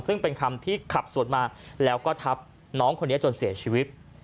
ซึ่งเป็นคำที่ขับสวนมาแล้วก็ทับน้องคนนี้จนเสียชีวิต